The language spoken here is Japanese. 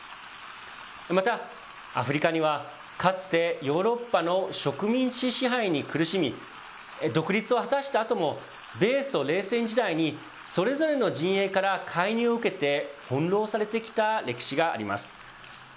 またアフリカには、かつて、ヨーロッパの植民地支配に苦しみ、独立を果たしたあとも米ソ冷戦時代にそれぞれの陣営から介入を受けて、翻弄されてきた歴史があります。